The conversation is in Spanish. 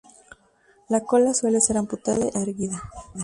La cola suele ser amputada y llevada erguida.